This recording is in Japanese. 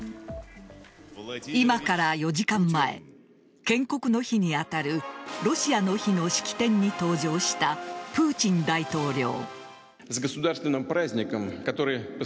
今から４時間前建国の日に当たるロシアの日の式典に登場したプーチン大統領。